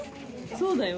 そうだよ。